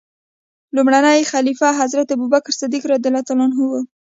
لومړنی خلیفه حضرت ابوبکر صدیق رض و.